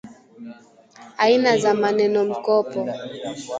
Aina za Manenomkopo